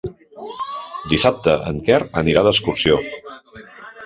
Dissabte en Quer anirà d'excursió.